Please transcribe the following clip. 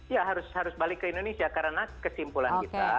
ya harus balik ke indonesia karena kesimpulan kita